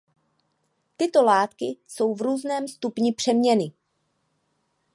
Tyto látky jsou v různém stupni přeměny.